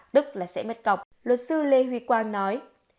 tức là sẽ mất cọc luật sư lê huy quang nói